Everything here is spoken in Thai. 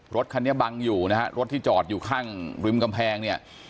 รถคันนี้บังอยู่นะฮะรถที่จอดอยู่ข้างริมกำแพงเนี่ย